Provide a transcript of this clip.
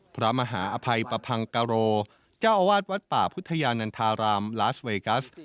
พระมหาอภัยปะพังกะโรเจ้าอาวาสวัดป่าพุทธยานันทารามลาสเวกัส